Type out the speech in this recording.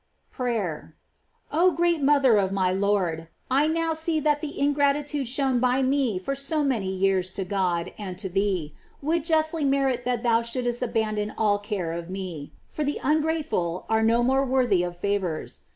PRAYER. Oh great mother of my Lord, I now see that the ingratitude shown by me for so many years to God and to thee, would justly merit that thou shouldst abandon all care of me, for the ungrate ful are no more worthy of favors.